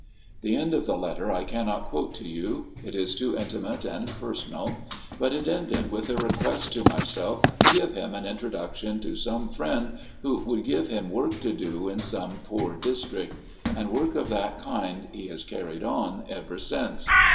"The end of the letter I cannot quote to you. It is too intimate and personal. But it ended with a request to myself to give him an introduction to some friend who would give him work to do in some poor district. And work of that kind he has carried on ever since."